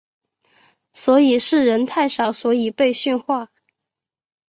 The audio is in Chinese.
所以是人太少所以被训话？